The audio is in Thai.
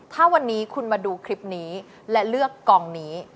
ถ้าวันนี้คุณมาดูคลิปนี้และเลือกกองนี้